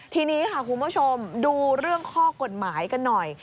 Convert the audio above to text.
ทีนี้ค่ะคุณผู้ชมดูเรื่องข้อกฎหมายกันหน่อย